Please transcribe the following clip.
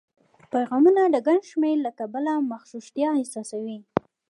پیغامونو د ګڼ شمېر له کبله مغشوشتیا احساسوي